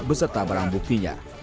beserta barang buktinya